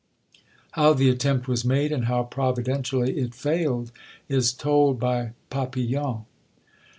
How the attempt was made, and how providentially it failed is told by Papillon.